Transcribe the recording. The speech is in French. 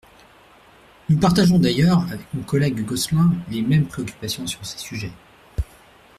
Nous partageons d’ailleurs, avec mon collègue Gosselin, les mêmes préoccupations sur ces sujets.